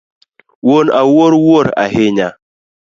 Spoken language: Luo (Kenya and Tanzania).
Wuon Awuor wuor ahinya